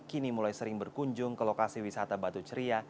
kini mulai sering berkunjung ke lokasi wisata batu ceria